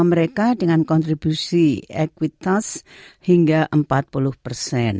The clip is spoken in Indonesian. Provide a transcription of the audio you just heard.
mereka dengan kontribusi ekuitas hingga empat puluh persen